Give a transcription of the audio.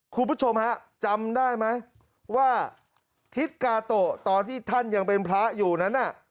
คุณผู้ชมฮะจำได้ไหมว่าทิศกาโตะตอนที่ท่านยังเป็นพระอยู่นั้นน่ะ